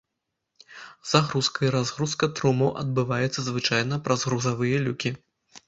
Загрузка і разгрузка трумаў адбываецца звычайна праз грузавыя люкі.